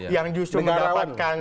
yang justru mendapatkan